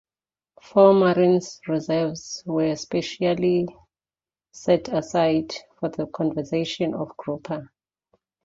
Four marine reserves were specifically set aside for the conservation of grouper.